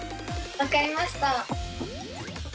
分かりました。